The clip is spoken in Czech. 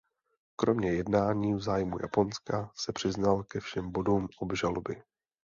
Kromě jednání v zájmu Japonska se přiznal ke všem bodům obžaloby.